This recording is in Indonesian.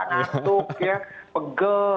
nangkuk ya pegel